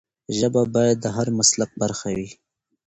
ژبه باید د هر مسلک برخه وي.